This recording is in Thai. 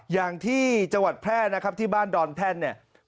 อย่างที่จังหวัดแพร่นะครับที่บ้านดอนแท่นเนี่ย